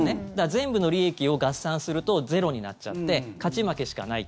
全部の利益を合算するとゼロになっちゃって勝ち負けしかない。